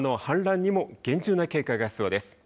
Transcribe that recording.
川の氾濫にも厳重な警戒が必要です。